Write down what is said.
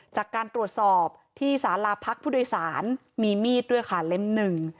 จากการตรวจสอบที่สาราพพฤดวยศาลมีมีดด้วยขาเล่มหนึ่ง